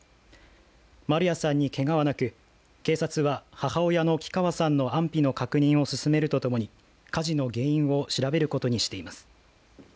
丸谷さんに、けがはなく警察は、母親の鬼川さんの安否の確認を進めるとともに火事の原因を調べることにしています。